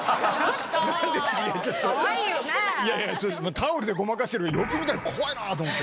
タオルでごまかしているけど、よく見たら怖いなと思って。